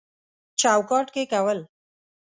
چوکاټ کې کول